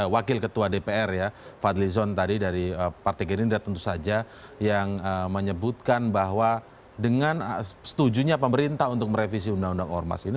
wakil ketua dpr ya fadli zon tadi dari partai gerindra tentu saja yang menyebutkan bahwa dengan setujunya pemerintah untuk merevisi undang undang ormas ini